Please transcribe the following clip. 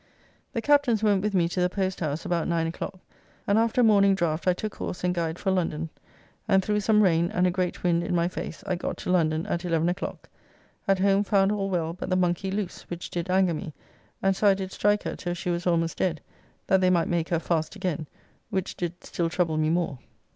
The Captains went with me to the post house about 9 o'clock, and after a morning draft I took horse and guide for London; and through some rain, and a great wind in my face, I got to London at eleven o'clock. At home found all well, but the monkey loose, which did anger me, and so I did strike her till she was almost dead, that they might make her fast again, which did still trouble me more.